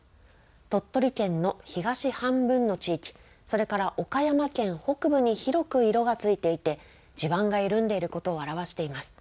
鳥取県の東半分の地域、それから岡山県北部に広く色がついていて、地盤が緩んでいることを表しています。